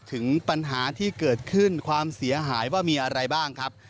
ถึงปัญหาที่เกิดขึ้นความเสียหายว่ามีอะไรบ้างครับ